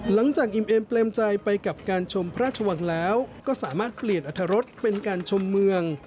อิ่มเอมเปรมใจไปกับการชมพระราชวังแล้วก็สามารถเปลี่ยนอรรถรสเป็นการชมเมือง